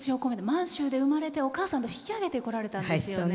満州で生まれてお母さんと引き揚げてこられたんですよね。